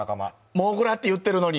もぐらって言ってるのに。